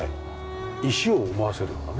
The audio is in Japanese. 石を思わせるようなね。